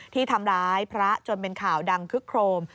ที่ทำร้ายพระจนเป็นข่าวดังคึกโครม